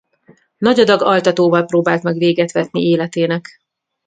Nagy adag altatóval próbált meg véget vetni életének.